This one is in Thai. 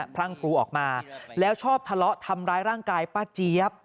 พรั่งครูออกมาแล้วชอบทะเลาะทำร้ายร่างกายป้าเจี๊ยบ